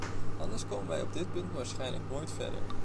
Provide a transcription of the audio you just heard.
Anders komen wij op dit punt waarschijnlijk nooit verder.